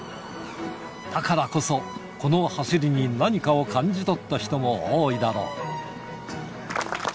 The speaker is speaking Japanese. だからこそ、この走りに何かを感じ取った人も多いだろう。